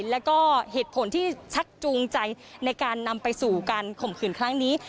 แล้วก็เหตุผลที่ชักจูงใจในการนำไปสู่การข่มขืนครั้งนี้